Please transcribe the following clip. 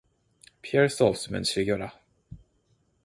피할 수 없으면 즐겨라.